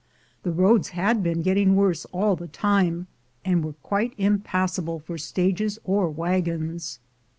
The roads had been getting worse all the time, and were quite impassable for stages or wagons.